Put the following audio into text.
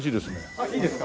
あっいいですか？